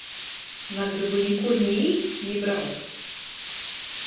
Nagrybu nikur ni īt, ni braukt!